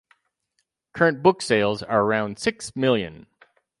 Current books sales are around six million.